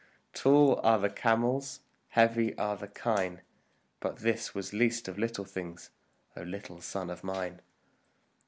Tall are the camels, heavy are the kine, But this was Least of Little Things, O little son of mine!